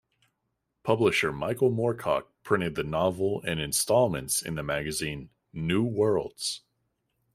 Publisher Michael Moorcock printed the novel in installments in the magazine "New Worlds".